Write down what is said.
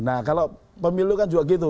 nah kalau pemilu kan juga gitu